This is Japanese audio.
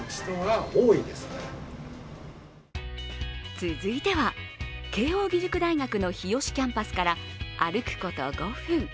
続いては、慶応義塾大学の日吉キャンパスから歩くこと５分。